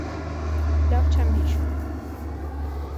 - Լավ չեմ հիշում.